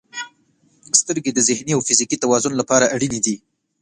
• سترګې د ذهني او فزیکي توازن لپاره اړینې دي.